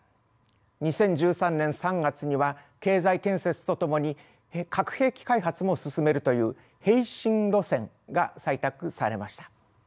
２０１３年３月には経済建設とともに核兵器開発も進めるという「並進路線」が採択されました。